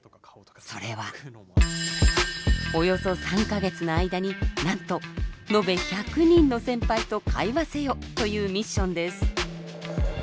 それはおよそ３か月の間になんとのべ１００人の先輩と会話せよ！というミッションです。